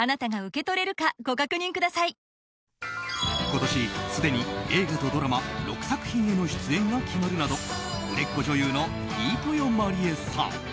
今年すでに映画とドラマ６作品への出演が決まるなど売れっ子女優の飯豊まりえさん。